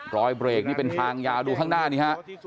รอยเบรกนี่เป็นทางยาวดูข้างหน้านี้ฮะ